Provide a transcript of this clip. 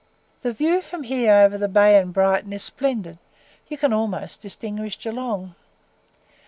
The view from here over the bay and Brighton is splendid; you can almost distinguish Geelong.